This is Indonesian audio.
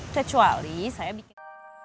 kecuali saya bikin